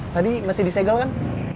tadi masih dissegal kan